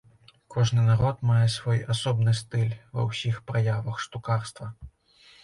Кожны народ мае свой асобны стыль ва ўсіх праявах штукарства.